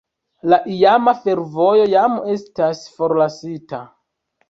La iama fervojo jam estas forlasita.